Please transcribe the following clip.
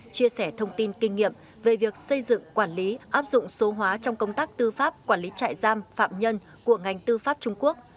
chia sẻ thông tin kinh nghiệm về việc xây dựng quản lý áp dụng số hóa trong công tác tư pháp quản lý trại giam phạm nhân của ngành tư pháp trung quốc